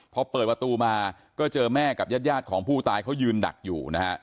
พอเปิดประตูมาก็เจอแม่กับญาติของผู้ตายเขายืนดักอยู่นะฮะ